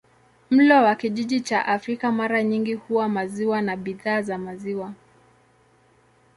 Mlo wa kijiji cha Afrika mara nyingi huwa maziwa na bidhaa za maziwa.